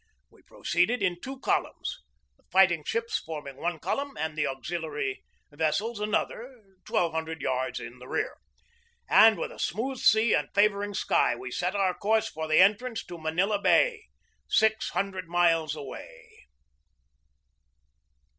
We proceeded in two columns, the fight ing ships forming one column, and the auxiliary ves sels another twelve hundred yards in the rear; and with a smooth sea and favoring sky we set our course for the entrance to Manila Bay, six hundred miles away.